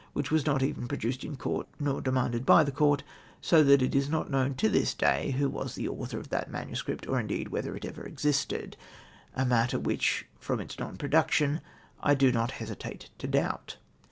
which was not even produced in Court, nor demanded by the Court, so that it is not known to this day who was the author of tliat MS., or, indeed, whether it ever existed ; a matter Avhicli, from its non production, I do not hesitate to doubt.